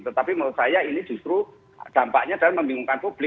tetapi menurut saya ini justru dampaknya adalah membingungkan publik